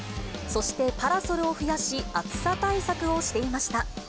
そしてパラソルを増やし、暑さ対策をしていました。